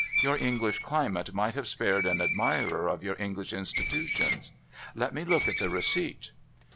Vour English climate might have spared an admirer of your English institutions. Let me look at the receipt.'